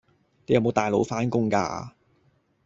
你有冇帶腦返工㗎